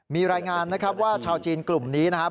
มีรายงานนะครับว่าชาวจีนกลุ่มนี้นะครับ